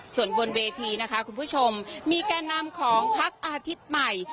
ส่วนบนเวทีนะคะคุณผู้ชมมีแก่นำของพักอาทิตย์ใหม่